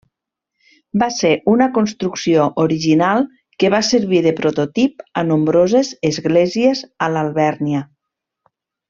Va ser una construcció original que va servir de prototip a nombroses esglésies a l'Alvèrnia.